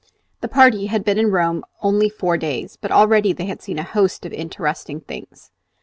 The party had been in Rome only four days, but already they had seen a host of interesting things.